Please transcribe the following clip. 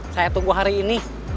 saya tunggu hari ini